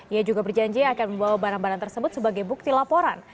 ia juga berjanji akan membawa barang barang tersebut sebagai bukti laporan